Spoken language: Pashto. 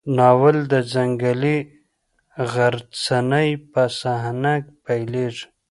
ناول د ځنګلي غرڅنۍ په صحنه پیلېږي.